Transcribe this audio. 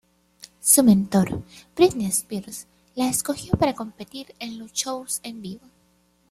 Su mentor, Britney Spears, la escogió para competir en los shows en vivo.